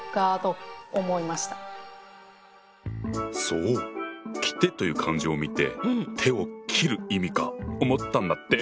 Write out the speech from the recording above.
そう「切手」という漢字を見て手を切る意味か思ったんだって。